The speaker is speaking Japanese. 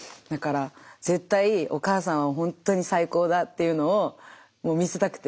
だから絶対お母さんはほんっとに最高だっていうのを見せたくて。